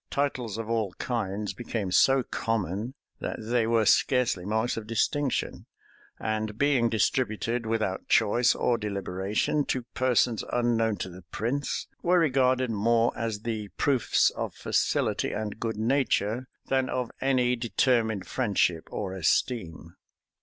Titles of all kinds became so common, that they were scarcely marks of distinction; and being distributed, without choice or deliberation, to persons unknown to the prince, were regarded more as the proofs of facility and good nature, than of any determined friendship or esteem.